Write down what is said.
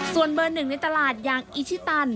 ส่วนเบอร์หนึ่งในตลาดอย่างอิชิตัน